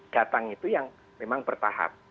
datang itu yang memang bertahap